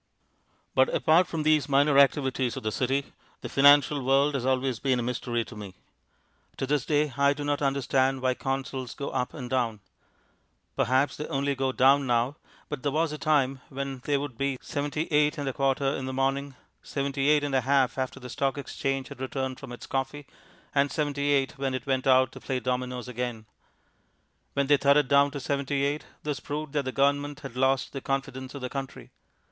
But apart from these minor activities of the City, the financial world has always been a mystery to me. To this day I do not understand why Consols go up and down. Perhaps they only go down now, but there was a time when they would be 78 1/4 in the morning, 78 1/2 after the Stock Exchange had returned from its coffee, and 78 when it went out to play dominoes again. When they thudded down to 78, this proved that the Government had lost the confidence of the country.